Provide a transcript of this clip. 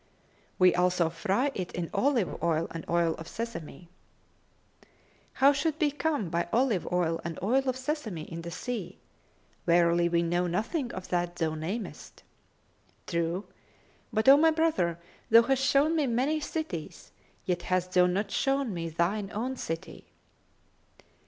"We also fry it in olive oil and oil of sesame.[FN#269]" How should be come by olive oil and oil of sesame in the sea? Verily we know nothing of that thou namest." "True, but O my brother, thou hast shown me many cities; yet hast thou not shown me thine own city."